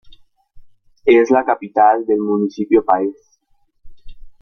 Es la capital del municipio Páez.